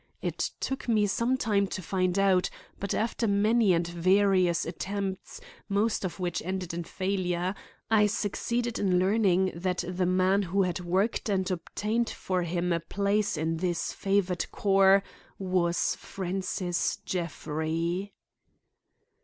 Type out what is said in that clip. It took me some time to find out, but after many and various attempts, most of which ended in failure, I succeeded in learning that the man who had worked and obtained for him a place in this favored corps was Francis Jeffrey.